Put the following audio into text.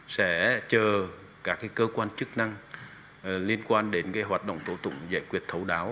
sẽ chờ các cơ quan chức năng liên quan đến hoạt động tố tụng giải quyết thấu đáo